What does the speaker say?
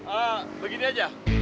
ah begini aja